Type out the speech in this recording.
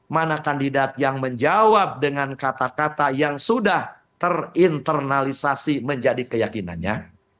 mana kandidat yang menjawab dengan kata kata yang sudah terinternalisasi menjadi keyakinannya